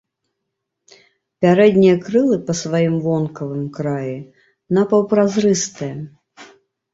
Пярэднія крылы па сваім вонкавым краі напаўпразрыстыя.